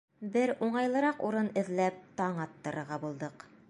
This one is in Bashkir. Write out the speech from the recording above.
Бер уңайлыраҡ урын эҙләп таң аттырырға булдыҡ.